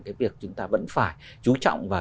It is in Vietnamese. cái việc chúng ta vẫn phải chú trọng vào